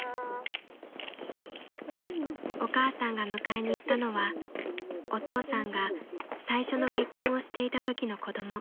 ［お母さんが迎えに行ったのはお父さんが最初の結婚をしていたときの子供］